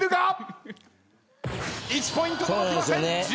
１ポイント届きません。